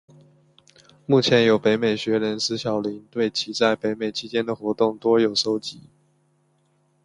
目前有北美学人石晓宁对其在北美期间的活动情况多有搜辑。